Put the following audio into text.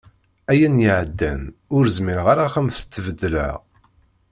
Ayen iɛeddan ur zmireɣ ara ad am-t-tbeddleɣ